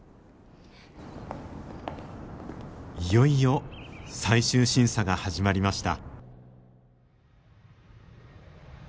いよいよ最終審査が始まりました。